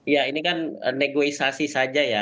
ya ini kan negosiasi saja ya